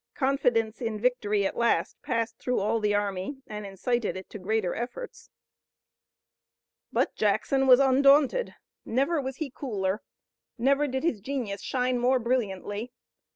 Confidence in victory at last passed through all the army, and incited it to greater efforts. But Jackson was undaunted. Never was he cooler. Never did his genius shine more brilliantly.